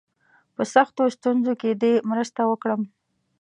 په سختو ستونزو کې دي مرسته وکړم.